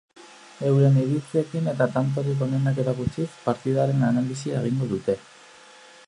Euren iritziekin eta tantorik onenak erakutsiz, partidaren analisia egingo dute.